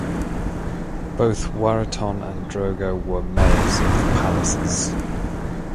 Both Waratton and Drogo were mayors of the palaces.